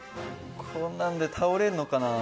こんなんで倒れんのかな。